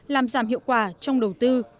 làm giảm hiệu quả trong đầu tư